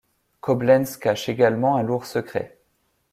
Koblenz cache également un lourd secret.